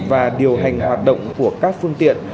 và điều hành hoạt động của các phương tiện